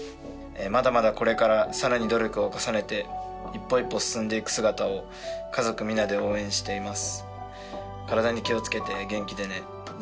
まだまだこれからさらに努力を重ねて一歩一歩進んでいく姿を家族皆で応援しています」